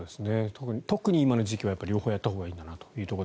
特に今の時期は両方やったほうがいいんだなと。